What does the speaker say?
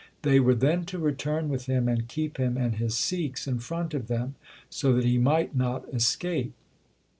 They were then to return with him and keep him and his Sikhs in front of them so that he might not escape.